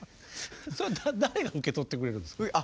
それ誰が受け取ってくれるんです？